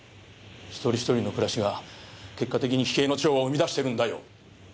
１人１人の暮らしが結果的に奇形の蝶を生み出してるんだよ。